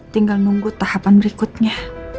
tinggal nunggu tahapan berikutnya